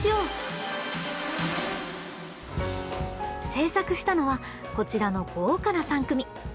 制作したのはこちらの豪華な３組！